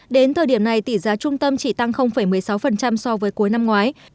đến thời điểm này tỷ giá trung tâm chỉ tăng một mươi sáu so với cuối năm ngoái